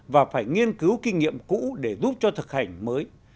và phải nghiên cứu kinh nghiệm cũ để giúp cho thực hành mới